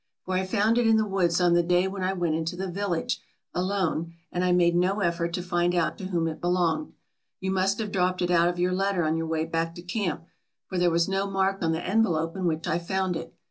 For I found it in the woods on the day when I went into the village alone and I made no effort to find out to whom it belonged. You must have dropped it out of your letter on your way back to camp, for there was no mark on the envelope in which I found it.